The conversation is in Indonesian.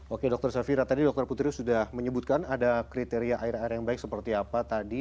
oke dokter safira tadi dokter putri sudah menyebutkan ada kriteria air air yang baik seperti apa tadi